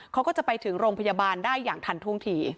เขาก็จะไปถึงโรงพยาบาลได้อย่างทันท่วงที